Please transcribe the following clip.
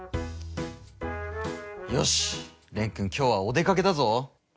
よし、蓮君今日はお出かけだぞ。